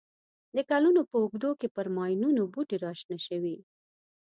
د کلونو په اوږدو کې پر ماینونو بوټي را شنه شوي.